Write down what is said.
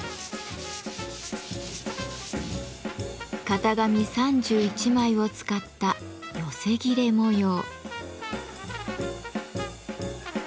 型紙３１枚を使った「寄裂模様」。